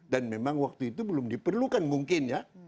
memang waktu itu belum diperlukan mungkin ya